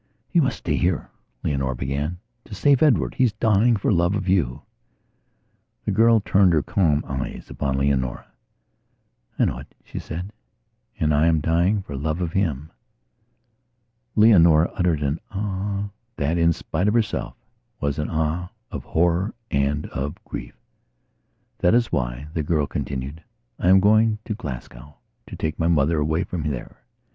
"You must stay here," Leonora began, "to save Edward. He's dying for love of you." The girl turned her calm eyes upon Leonora. "I know it," she said. "And I am dying for love of him." Leonora uttered an "Ah," that, in spite of herself, was an "Ah" of horror and of grief. "That is why," the girl continued, "I am going to Glasgowto take my mother away from there."